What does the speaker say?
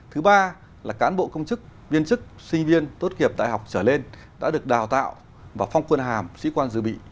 thứ ba là cán bộ công chức viên chức sinh viên tốt kiệp đại học trở lên đã được đào tạo và phong quyền